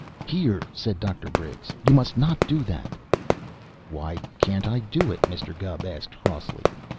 "Here!" said Dr. Briggs. "You must not do that!" "Why can't I do it?" Mr. Gubb asked crossly.